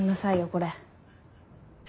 これ。